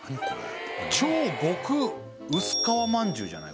超極薄皮まんじゅうじゃない？